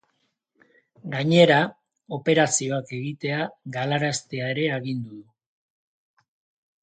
Gainera, operazioak egitea galaraztea ere agindu du.